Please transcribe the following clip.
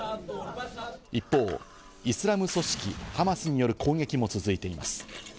一方、イスラム組織ハマスによる攻撃も続いています。